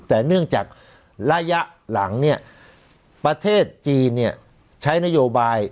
แต่เนื่องจากระยะหลังเนี่ยประเทศจีนใช้นโยบาย